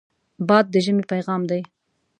باد د ژمې پیغام دی